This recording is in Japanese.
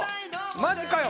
マジかよ！